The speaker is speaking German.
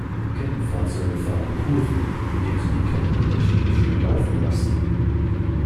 Kettenfahrzeuge fahren Kurven, indem sie die Ketten unterschiedlich schnell laufen lassen.